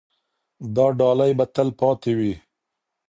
دا ډالۍ به تل پاتې وي.